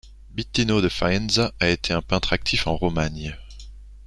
Bittino da Faenza a été un peintre actif en Romagne.